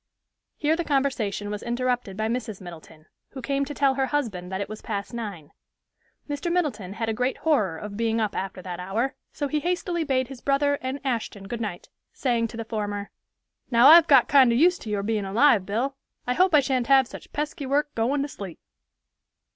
Here the conversation was interrupted by Mrs. Middleton, who came to tell her husband that it was past nine. Mr. Middleton had a great horror of being up after that hour, so he hastily bade his brother and Ashton good night, saying to the former, "Now I've got kind of used to your being alive, Bill, I hope I shan't have such pesky work goin' to sleep."